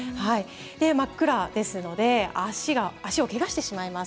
真っ暗ですので足を汚してしまいます。